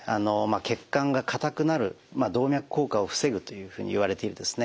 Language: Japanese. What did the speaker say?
血管が硬くなる動脈硬化を防ぐというふうにいわれているですね